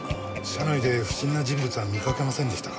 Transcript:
車内で不審な人物は見かけませんでしたか？